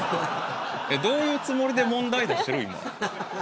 どういうつもりで問題出してる今。